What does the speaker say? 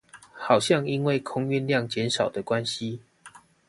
好像因為空運量減少的關係